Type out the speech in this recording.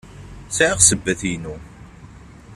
Sɛiɣ ssebbat-inu.